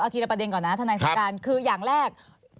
เอาทีละประเด็นก่อนนะท่านแห่งศักดิ์การคืออย่างแรก